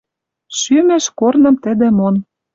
Шӱмӹш корным тӹдӹ мон.